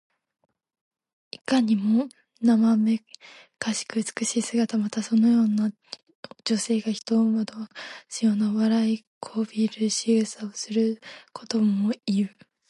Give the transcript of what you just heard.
いかにもなまめかしく美しい姿。また、そのような女性が人を惑わすような、笑いこびるしぐさをすることにもいう。